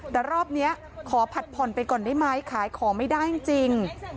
แต่รอบนี้ขอผัดผ่อนไปก่อนได้ไหมขายของไม่ได้จริง